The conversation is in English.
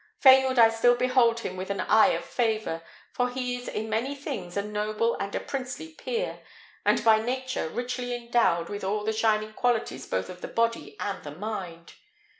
Fain would I still behold him with an eye of favour; for he is in many things a noble and a princely peer, and by nature richly endowed with all the shining qualities both of the body and the mind.